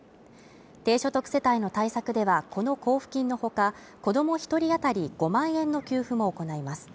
低所得世帯の対策では、この交付金のほか、子供１人あたり５万円の給付も行います。